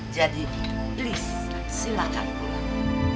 jadi please silahkan pulang